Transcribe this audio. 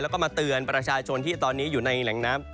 แล้วก็มาเตือนประชาชนที่ตอนนี้อยู่ในแหล่งน้ำ